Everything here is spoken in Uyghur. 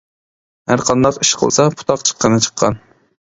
ھەرقانداق ئىش قىلسا، پۇتاق چىققىنى چىققان.